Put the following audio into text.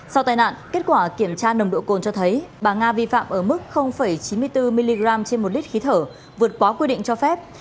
sau tai nạn kết quả kiểm tra nồng độ cồn cho thấy bà nga vi phạm ở mức chín mươi bốn mg trên một lít khí thở vượt quá quy định cho phép